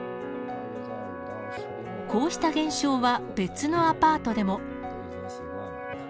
こうした現象は別のアパートでも。